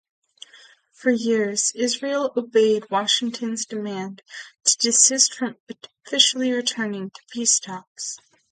For years, Israel obeyed Washington's demand to desist from officially returning to peace talks.